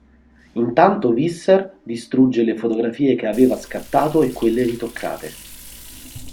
Intanto Visser distrugge le fotografie che aveva scattato e quelle ritoccate.